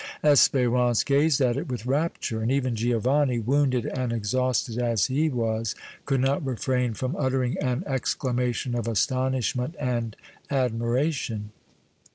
Espérance gazed at it with rapture, and even Giovanni, wounded and exhausted as he was, could not refrain from uttering an exclamation of astonishment and admiration.